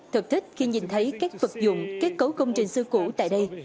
thật thích khi nhìn thấy các vật dụng các cấu công trình xưa cũ tại đây